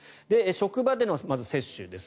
職場での接種です。